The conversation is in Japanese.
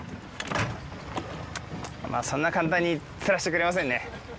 まあ、そんな簡単に釣らせてくれませんね。